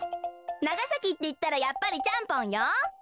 長崎っていったらやっぱりちゃんぽんよ！